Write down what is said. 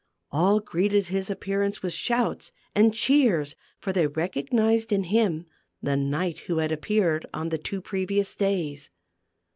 All greeted his appearance with shouts and cheers, for they recognized in him the knight who had appeared on the two previous days.